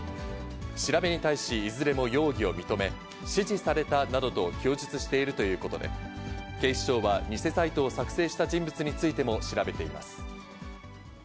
調べに対し、いずれも容疑を認め、指示されたなどと供述しているということで、警視庁は偽サイトを作成した人物についても調べています。